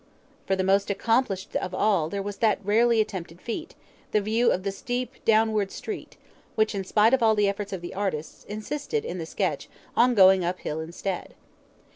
For the most accomplished of all there was that rarely attempted feat, the view of the steep downward street, which, in spite of all the efforts of the artist, insisted, in the sketch, on going up hill instead.